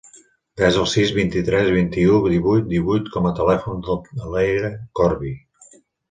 Desa el sis, vint-i-tres, vint-i-u, divuit, divuit com a telèfon de l'Eira Corbi.